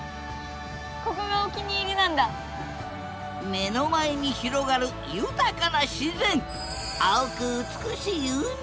目の前に広がる豊かな自然青く美しい海。